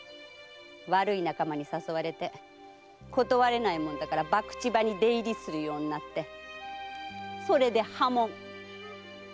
悪い仲間に誘われて断れないもんだから博打場に出入りするようになってそれで破門。